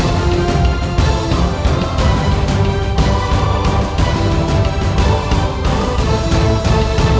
ini penuh berarti algumas orang yang undertale